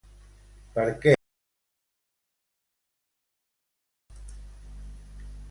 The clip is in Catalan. Per què van fer-la fora, presumptament?